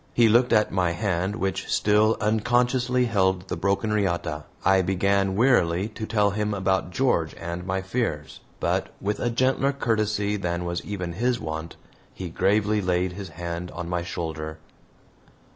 He looked at my hand, which still unconsciously held the broken riata. I began, wearily, to tell him about George and my fears, but with a gentler courtesy than was even his wont, he gravely laid his hand on my shoulder.